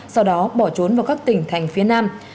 sau đó bỏ trốn vào các tỉnh thành phía nam